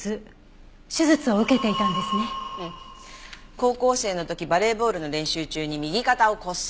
高校生の時バレーボールの練習中に右肩を骨折。